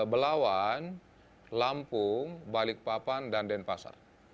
belawan lampung balikpapan dan denpasar